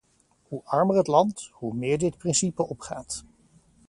Hoe armer het land, hoe meer dit principe opgaat.